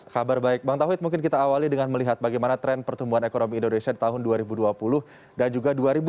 kabar baik bang tauhid mungkin kita awali dengan melihat bagaimana tren pertumbuhan ekonomi indonesia di tahun dua ribu dua puluh dan juga dua ribu dua puluh